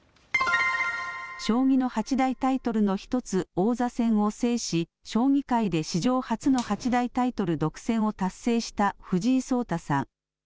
将棋の八大タイトルの１つ、王座戦を制し将棋界で史上初の八大タイトル独占を達成した藤井聡太さん。